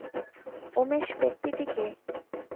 উমেশ ব্যক্তিটি কে?